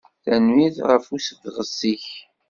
Tanemmirt ɣef usebɣes-ik.